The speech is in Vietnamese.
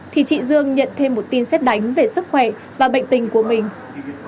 thì chị dương nhận thêm một tin xét đánh về sức khỏe và bệnh tình của mình